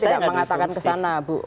tidak mengatakan kesana bu